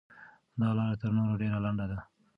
دا لاره تر نورو ډېره لنډه ده.